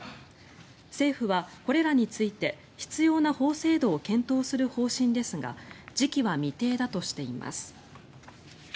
政府はこれらについて必要な法制度を検討する方針ですが時期は未定だとしています。